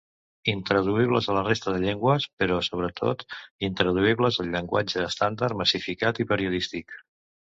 Intraduïbles a la resta de llengües, però, sobretot, intraduïbles al llenguatge estàndard, massificat i periodístic.